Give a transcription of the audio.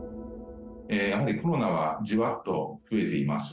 やはりコロナはじわっと増えています。